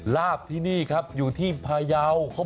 ลาบที่นี่ครับอยู่ที่พายาว